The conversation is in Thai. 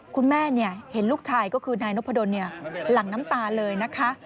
คุณแม่เห็นลูกชายก็คือนายนพดลหลั่งน้ำตาเลยนะคะ